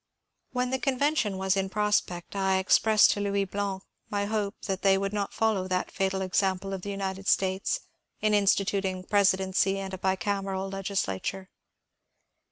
When the Convention was in prospect I expressed to Louis Blanc my hope that they would not follow that fatal example of the United States in instituting presidency and a bicameral legislature.